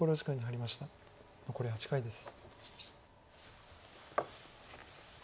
残り８回です。